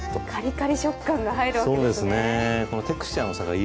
かりかり食感が入るわけですね。